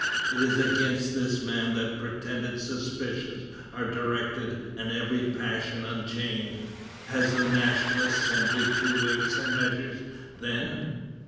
It is against this man that pretended suspicions are directed and every passion unchained. Has the National Assembly two weights and measures, then?